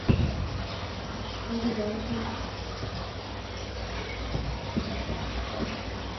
During his lifetime, he published several historical works that examined middle-class social practices.